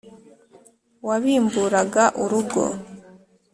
Wabimburaga urugo